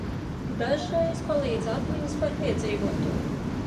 Dažreiz palīdz atmiņas par piedzīvoto.